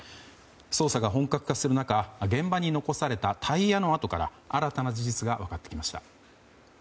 捜査が本格化する中現場に残されたタイヤの痕から新たな事実が分かってきました。